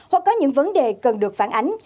hoặc có những vấn đề cần được phản ánh